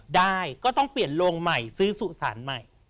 ได้ก็ต้องเปลี่ยนโรงใหม่ซื้อสุสานใหม่